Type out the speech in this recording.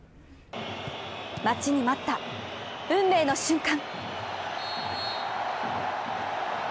待ちに待った運命の瞬間。